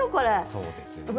そうですね。